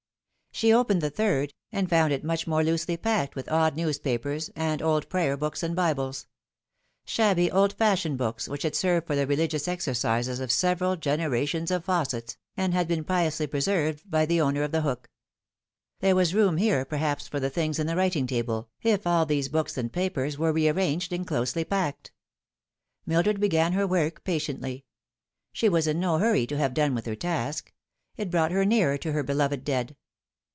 She opened the third, and found it much more loosely packed, with odd newspapers, and old Prayer Books and Bibles : shabby, old fashioned books, which had served for the religious exercises of several generations of Faussets, and had beeu piously preserved by the owner of The Hook. There was room here perhaps for the things in the writing table, if all these books and papers were rearranged and closely packed. Mildred began her work patiently. She was in no hurry to have done with her task ; it brought her nearer to her beloved dead.